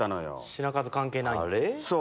品数関係ないんだ。